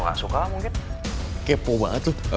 ini om lemos dia papahnya dewa